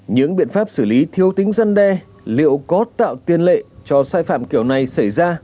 những biện pháp xử lý thiếu tính dân đe liệu có tạo tiền lệ cho sai phạm kiểu này xảy ra